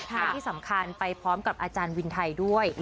และที่สำคัญไปพร้อมกับอาจารย์วินไทยด้วย